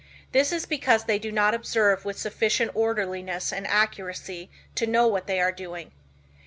This is because they do not observe with sufficient orderliness and accuracy to know what they are doing.